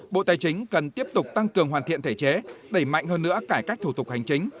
bộ tài chính cần tiếp tục tăng cường hoàn thiện thể chế đẩy mạnh hơn nữa cải cách thủ tục hành chính